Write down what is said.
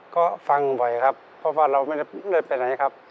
ก็ฟังบ่อยครับเพราะว่าเราไม่ได้ไปไหนครับ